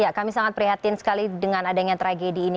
ya kami sangat prihatin sekali dengan adanya tragedi ini